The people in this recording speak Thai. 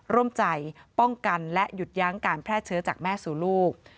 ร่วมใจป้องกันและหยุดยั้งการแพร่เชื้อจากแม่สู่ลูก